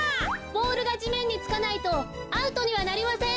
ボールがじめんにつかないとアウトにはなりません。